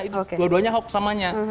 itu dua duanya hoax samanya